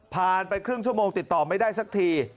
ไปครึ่งชั่วโมงติดต่อไม่ได้สักที